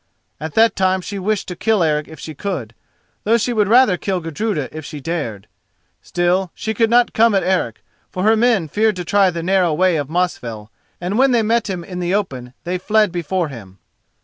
At that time she wished to kill Eric if she could, though she would rather kill Gudruda if she dared. Still, she could not come at Eric, for her men feared to try the narrow way of Mosfell, and when they met him in the open they fled before him.